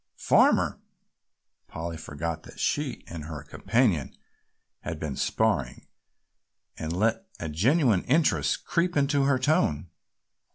"Farmer?" Polly forgot that she and her companion had been sparring and let a genuine interest creep into her tone.